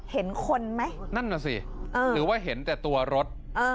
เห็นคนไหมนั่นน่ะสิหรือว่าเห็นแต่ตัวรถ